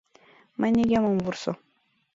— Мый нигӧм ом вурсо.